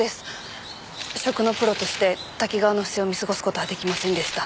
食のプロとしてタキガワの不正を見過ごす事は出来ませんでした。